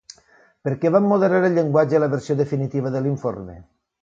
Per què van moderar el llenguatge a la versió definitiva de l'informe?